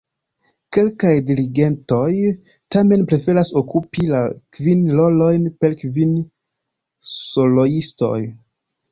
Kelkaj dirigentoj tamen preferas okupi la kvin rolojn per kvin soloistoj.